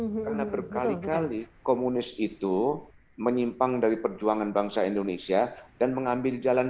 karena berkali kali komunis itu menyimpang dari perjuangan bangsa indonesia dan mengambil jalan